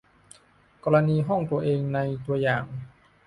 กรณีห้องตัวเองในตัวอย่าง